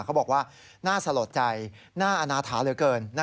เขาบอกว่าน่าสลดใจน่าอนาถาเหลือเกิน